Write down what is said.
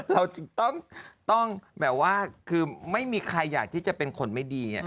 เราจึงต้องแบบว่าคือไม่มีใครอยากที่จะเป็นคนไม่ดี